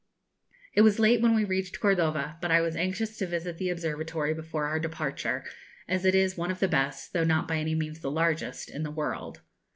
It was late when we reached Cordova; but I was anxious to visit the Observatory before our departure, as it is one of the best, though not by any means the largest, in the world.